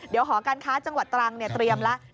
เดี๋ยวหอการค้าจังหวัดตรังเตรียมแล้ว